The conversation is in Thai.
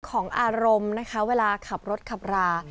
ของอารมณ์นะคะเวลาขับรถขับรา